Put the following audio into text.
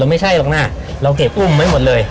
ไม่ใช่หรอกนะเราเก็บอุ้มไว้หมดเลย